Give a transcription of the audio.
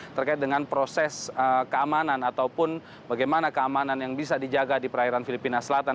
terkait dengan proses keamanan ataupun bagaimana keamanan yang bisa dijaga di perairan filipina selatan